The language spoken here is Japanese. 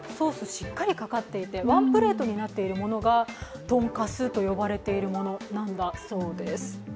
しっかりかかっていて、ワンプレートになっているものがトンカスと呼ばれているものなんだそうです。